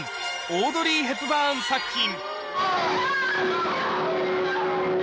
オードリー・ヘプバーン作品。